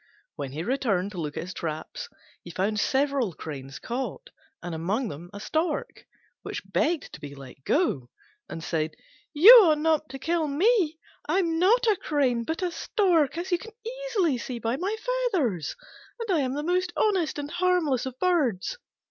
When he returned to look at his traps he found several cranes caught, and among them a Stork, which begged to be let go, and said, "You ought not to kill me: I am not a crane, but a Stork, as you can easily see by my feathers, and I am the most honest and harmless of birds."